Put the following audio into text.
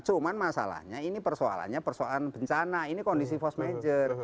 cuman masalahnya ini persoalannya persoalan bencana ini kondisi force major